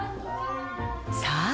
さあ！